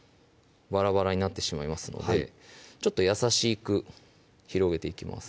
バラバラになってしまいますのでちょっと優しく広げていきます